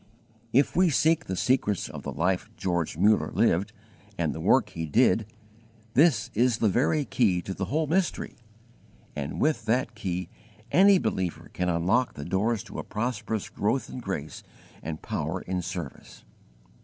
If we seek the secrets of the life George Muller lived and the work he did, this is the very key to the whole mystery, and with that key any believer can unlock the doors to a prosperous growth in grace and power in service.